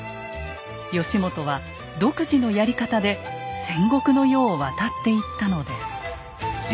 義元は独自のやり方で戦国の世を渡っていったのです。